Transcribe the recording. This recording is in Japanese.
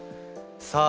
さあ